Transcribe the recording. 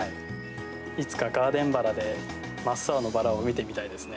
いつかガーデンバラで真っ青なバラを見てみたいですね。